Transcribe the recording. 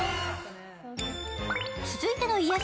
続いての癒やし